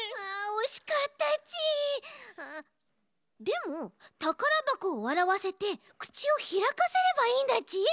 でもたからばこをわらわせてくちをひらかせればいいんだち。